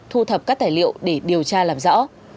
thu thập các tài liệu để điều tra làm rõ